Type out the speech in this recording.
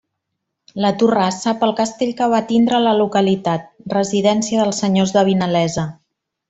La torrassa pel castell que va tindre la localitat, residència dels senyors de Vinalesa.